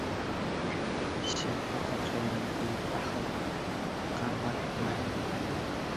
— Eshakka o‘xshagan befahm. Qamatmayman!